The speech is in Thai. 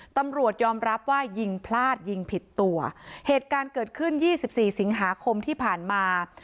ตำรวจยอมรับว่ายิงพลาดยิงผิดตัวเหตุการณ์เกิดขึ้นยี่สิบสี่สิงหาคมที่ผ่านมา